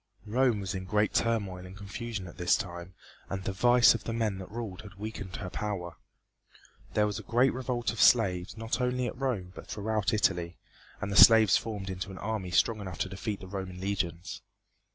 Rome was in great turmoil and confusion at this time, and the vice of the men that ruled had weakened her power. There was a great revolt of slaves not only at Rome but throughout Italy, and the slaves formed into an army strong enough to defeat the Roman legions.